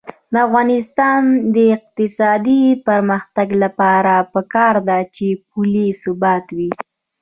د افغانستان د اقتصادي پرمختګ لپاره پکار ده چې پولي ثبات وي.